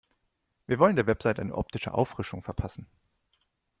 Wir wollen der Website eine optische Auffrischung verpassen.